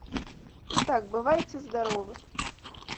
І так, бывайце здаровы.